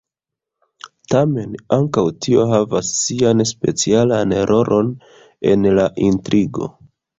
Tamen, ankaŭ tio havas sian specialan rolon en la intrigo.